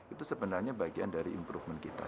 itu sebenarnya bagian dari improvement kita